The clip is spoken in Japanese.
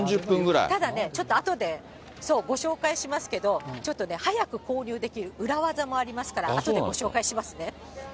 ただね、ちょっとあとでそう、ご紹介しますけど、ちょっとね、早く購入できる裏技もありますから、あとでご紹介しますね。